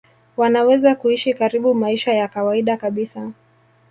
wanaweza kuishi karibu maisha ya kawaida kabisa